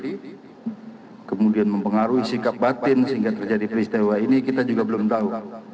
jadi kemudian mempengaruhi sikap batin sehingga terjadi peristiwa ini kita juga belum tahu